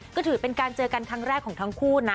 ก็ถือเป็นการเจอกันครั้งแรกของทั้งคู่นะ